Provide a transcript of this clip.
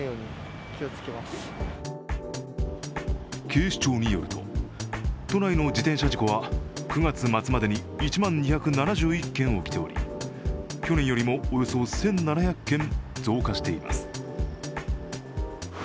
警視庁によると、都内の自転車事故は９月末までに１万２７１件起きており去年よりもおよそ１７００件増加しています。